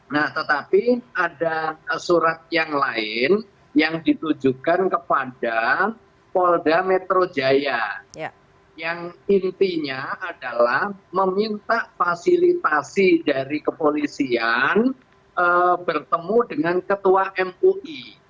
nah tetapi ada surat yang lain yang ditujukan kepada polda metro jaya yang intinya adalah meminta fasilitasi dari kepolisian bertemu dengan ketua mui